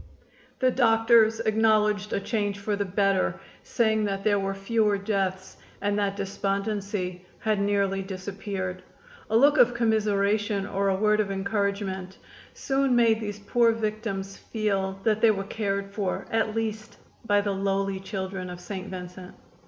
The doctors acknowledged a change for the better, saying that there were fewer deaths, and that despondency had nearly disappeared. A look of commiseration or a word of encouragement soon made these poor victims feel that they were cared for at least by the lowly children of St. Vincent.